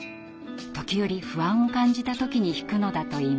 時折不安を感じた時に弾くのだといいます。